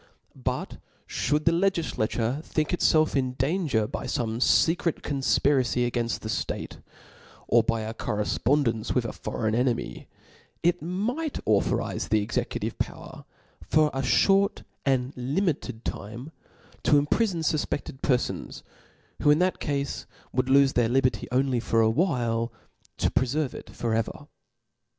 But (hould the legiAature think itfelf in danger by fome fecret confpiracyiagainil the ftate, or by a correfpondence with a foreign enemy, it might authorize the executive power, for a Ihort and li mited time, to imprifon fufpeded perfons, who in thilt cafe would lofe their liberty only for a while^ to preferve it for ever.